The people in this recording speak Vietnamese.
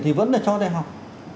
thì vẫn là cho đi học